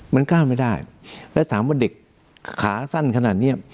มันก้าวไม่ได้และถามว่าเด็กขาสั้นขนาดนี้